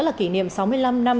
là kỷ niệm sáu mươi năm năm